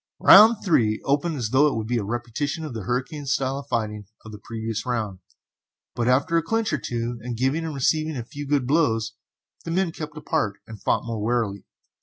Round 3 opened as though it would be a repetition of the hurricane style of fighting of the previous round, but after a clinch or two and giving and receiving a few good blows, the men kept apart and fought more warily.